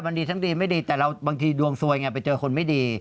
มันดีทั้งดีไม่ดีแต่เราบางทีดวงสวยไงไปเจอคนไม่ดี